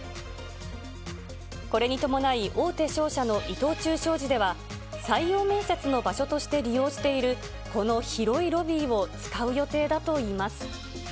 これに伴い、大手商社の伊藤忠商事では、採用面接の場所として利用しているこの広いロビーを使う予定だといいます。